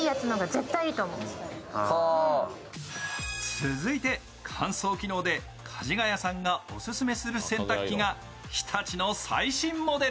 続いて、乾燥機能でかじがやさんがお勧めする洗濯機が日立の最新モデル。